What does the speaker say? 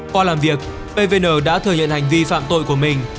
qua làm việc pvn đã thừa nhận hành vi phạm tội của mình